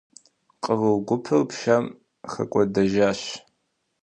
Къру гупыр пшэм хэкӏуэдэжащ.